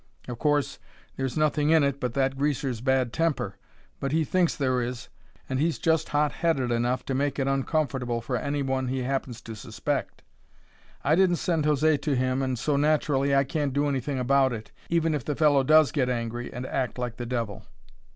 Of course, there's nothing in it but that greaser's bad temper. But he thinks there is, and he's just hot headed enough to make it uncomfortable for anybody he happens to suspect. I didn't send José to him and so, naturally, I can't do anything about it, even if the fellow does get angry and act like the devil.